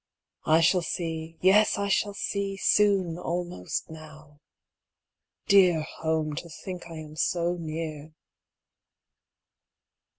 I shall see; yes I shall see! soon; almost now. Dear home, to think I am so near!